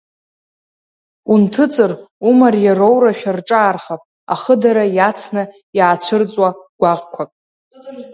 Унҭыҵыр, умариа роурашәа рҿаархап, ахыдара иацны иаацәырҵуа гәаӷқәак.